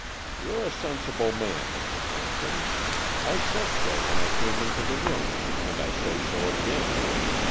You're a sensible man, Mr. Comp ton. I said so when I came into the room, and I say so again.